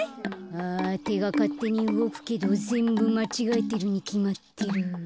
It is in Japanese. あてがかってにうごくけどぜんぶまちがえてるにきまってる。